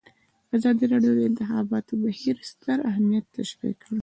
ازادي راډیو د د انتخاباتو بهیر ستر اهميت تشریح کړی.